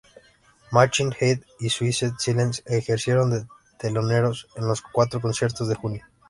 Machine Head y Suicide Silence ejercieron de teloneros en los cuatro conciertos de junio.